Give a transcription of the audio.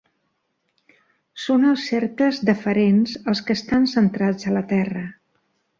Són els cercles deferents els que estan centrats a la Terra.